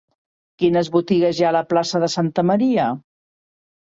Quines botigues hi ha a la plaça de Santa Maria?